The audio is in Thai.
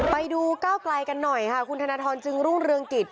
ไปดูก้าวไกลกันหน่อยค่ะคุณธนทรจึงรุ่งเรืองกิจ